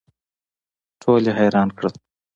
ټول یې حیران کړل.